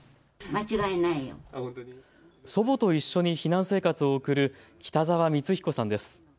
祖母と一緒に避難生活を送る北澤光彦さんです。